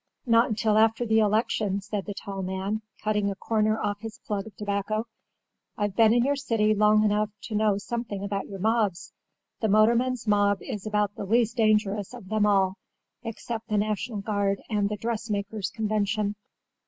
"Not until after the election," said the tall man, cutting a corner off his plug of tobacco. "I've been in your city long enough to know something about your mobs. The motorman's mob is about the least dangerous of them all, except the National Guard and the Dressmakers' Convention.